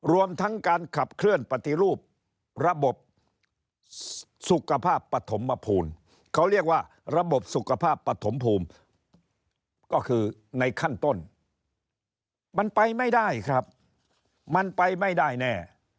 รวมทั้งการขับเคลื่อนปฏิรูประบบสุขภาพปฐมภูมิเขาเรียกว่าระบบสุขภาพปฐมภูมิก็คือในขั้นต้นมันไปไม่ได้ครับมันไปไม่ได้แน่